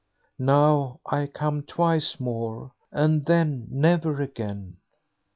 "Now I come twice more, and then never again."